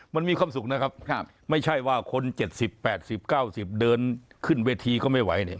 มันมีความสุขนะครับไม่ใช่ว่าคน๗๐๘๐๙๐เดินขึ้นเวทีก็ไม่ไหวเนี่ย